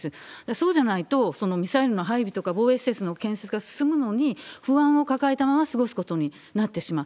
そうじゃないと、そのミサイルの配備とか、防衛施設の建設が進むのに、不安を抱えたまま過ごすことになってしまう。